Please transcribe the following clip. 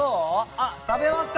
あっ食べ終わった！